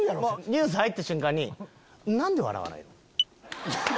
ニュース入った瞬間に「何で笑わないの⁉」。